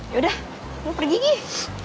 yaudah gue pergi nih